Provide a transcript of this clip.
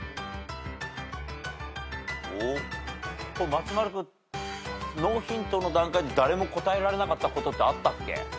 松丸君ノーヒントの段階で誰も答えられなかったことってあったっけ？